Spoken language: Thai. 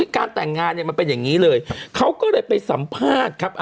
การแต่งงานเนี่ยมันเป็นอย่างนี้เลยเขาก็เลยไปสัมภาษณ์ครับ